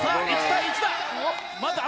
１対１だ